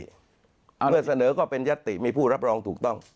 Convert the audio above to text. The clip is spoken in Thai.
เมื่อเสนอก็เป็นยัตติมีผู้รับรองถูกต้อง